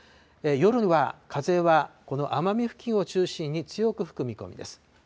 夜は風は、この奄美付近を中心に強く吹く見込みです。